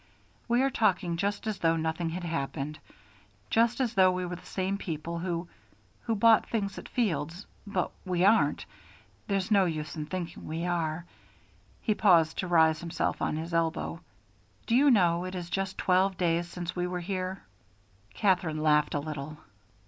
We are talking just as though nothing had happened, just as though we were the same people who who bought things at Field's; but we aren't. There's no use in thinking we are." He paused to raise himself on his elbow. "Do you know it is just twelve days since we were here?" Katherine laughed a little.